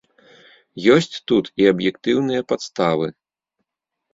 Ёсць тут і аб'ектыўныя падставы.